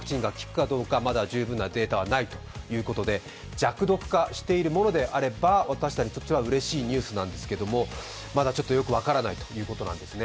弱毒化しているものであれば、私たちにとってはうれしいニュースなんですけれどもまだちょっとよく分からないということなんですね。